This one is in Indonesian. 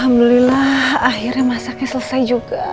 alhamdulillah akhirnya masaknya selesai juga